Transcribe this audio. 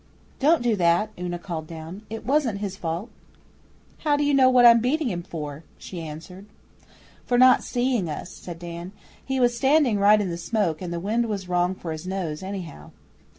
'Don't do that,' Una called down. 'It wasn't his fault.' 'How do you know what I'm beating him for?' she answered. 'For not seeing us,' said Dan. 'He was standing right in the smoke, and the wind was wrong for his nose, anyhow.